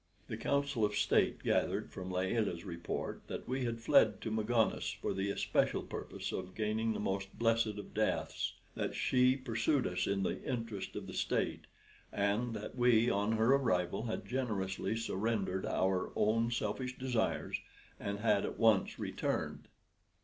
The Council of State gathered from Layelah's report that we had fled to Magones for the especial purpose of gaining the most blessed of deaths; that she pursued us in the interest of the state; and that we on her arrival had generously surrendered our own selfish desires, and had at once returned.